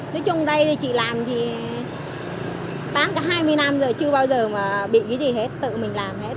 nói chung đây chị làm thì bán cả hai mươi năm giờ chưa bao giờ mà bị cái gì hết tự mình làm hết